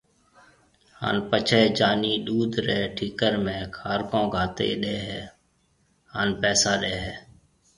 ھاڻ پڇيَ جانِي ڏُوڌ رَي ٺڪر ۾ کارڪون گھاتيَ ڏَي ھيََََ ھان پيسا ڏَي ھيََََ